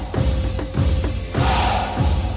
ตอนต่อไป